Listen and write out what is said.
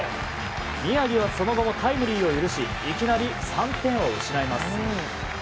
宮城はその後もタイムリーを許しいきなり３点を失います。